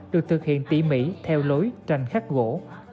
được thực hiện tỉ mỉ theo lối tranh khắc gỗ